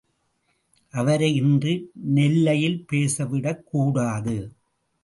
அவரை இன்று நெல்லையில் பேசவிடக் கூடாது.